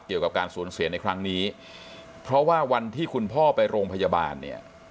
เกี่ยวกับการสูญเสียในครั้งนี้เพราะว่าวันที่คุณพ่อไปโรงพยาบาลเนี่ย